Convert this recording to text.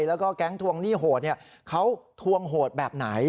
แล้วก็แก๊งทวงหนี้โหดเขาทวงโหดแบบไหน